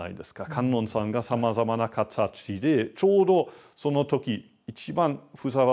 観音さんがさまざまな形でちょうどその時一番ふさわしい形であらわれる。